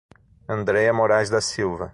Andreia Moraes da Silva